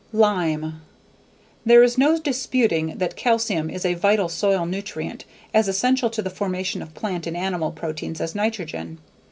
Lime. There is no disputing that calcium is a vital soil nutrient as essential to the formation of plant and animal proteins as nitrogen.